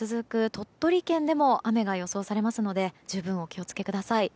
鳥取県でも雨が予想されますので十分、お気を付けください。